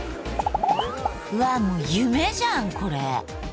うわもう夢じゃんこれ。